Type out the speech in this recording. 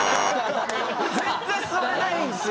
全然座れないんですよ。